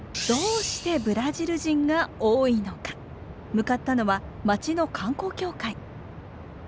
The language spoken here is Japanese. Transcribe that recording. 向かったのは町の観光協会。